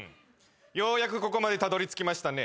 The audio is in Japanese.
ようやくここまでたどりつきましたね。